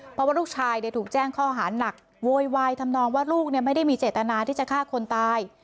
เพราะว่าลูกชายถูกแจ้งข้อหาหนักโวยวายทำนองว่าลูกไม่ได้มีเจตนาที่จะฆ่าคนตาย